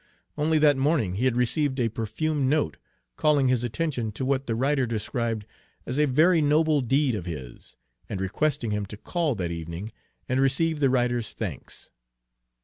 Only that morning he had received a perfumed note, calling his attention to what the writer described as a very noble deed of his, and requesting him to call that evening and receive the writer's thanks.